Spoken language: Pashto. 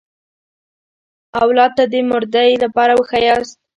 اولاد ته د مردۍ لاره وښیاست.